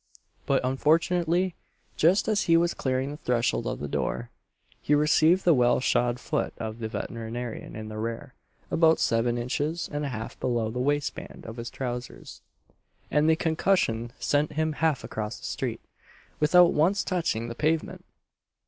But, unfortunately, just as he was clearing the threshold of the door, he received the well shod foot of the veterinarian in the rear, about seven inches and a half below the waistband of his trowsers, and the concussion sent him half across the street, without once touching the pavement!